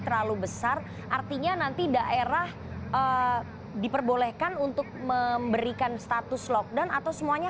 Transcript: terlalu besar artinya nanti daerah diperbolehkan untuk memberikan status lockdown atau semuanya